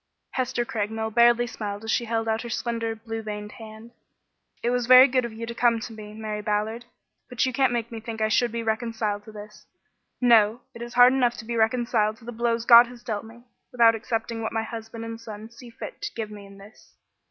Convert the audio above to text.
Hester Craigmile barely smiled as she held out her slender, blue veined hand. "It is very good of you to come to me, Mary Ballard, but you can't make me think I should be reconciled to this. No! It is hard enough to be reconciled to the blows God has dealt me, without accepting what my husband and son see fit to give me in this."